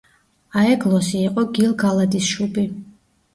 აეგლოსი იყო გილ-გალადის შუბი.